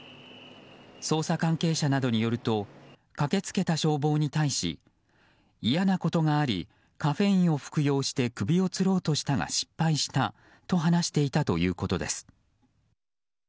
捜査関係者などによると駆け付けた消防に対し嫌なことがありカフェインを服用して首をつろうとしたが失敗したと話していたということです。